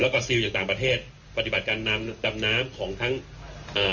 แล้วก็ซิลจากต่างประเทศปฏิบัติการนำดำน้ำของทั้งอ่า